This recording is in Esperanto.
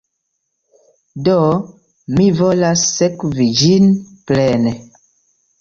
Do, mi volas sekvi ĝin plene